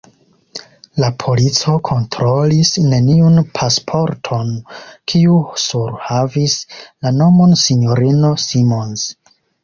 La polico kontrolis neniun pasporton, kiu surhavis la nomon S-ino Simons.